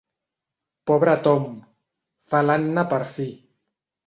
Pobre Tom —fa l'Anna per fi.